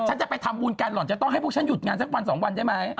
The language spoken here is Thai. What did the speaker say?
ฉันจะไปทำอุณกฎหรอจะต้องให้พวกฉันหยุดงาน๑๒วันนี่ไหม